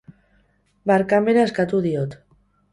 Barkamena eskatu diot